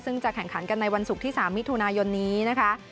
ซึ่งจะแข่งขันกันในวันศุกร์ที่๓มิถุนายนนี้นะคะ